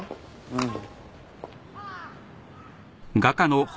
うん。